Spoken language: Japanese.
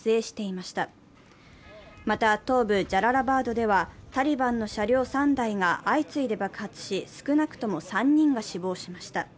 また、東部ジャララバードでは、タリバンの車両３台が相次いで爆発し、少なくとも３人が死亡しました。